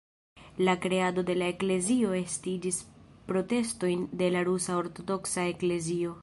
La kreado de la eklezio estigis protestojn de la Rusa Ortodoksa Eklezio.